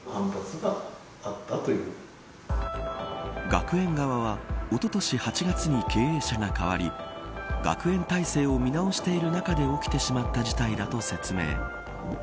学園側はおととし８月に経営者が変わり学園体制を見直している中で起きてしまった事態だと説明。